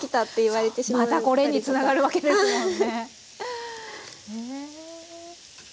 またこれ？につながるわけですもんね。